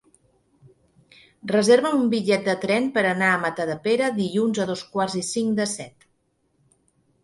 Reserva'm un bitllet de tren per anar a Matadepera dilluns a dos quarts i cinc de set.